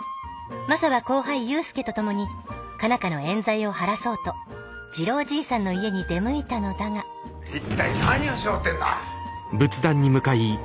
マサは後輩勇介と共に佳奈花のえん罪を晴らそうと次郎じいさんの家に出向いたのだが一体何をしようってんだ。